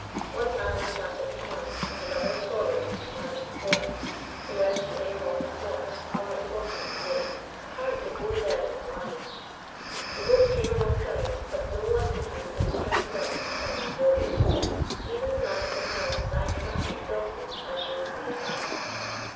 One man sat at the helm, and another forward to manage the sail; the rest lay along the thwarts or at the bottom of the boat, apparently more dead than alive. The boat came alongside, but no one in her had strength left to climb on board. Even the man at the helm sank back exhausted as she was made fast.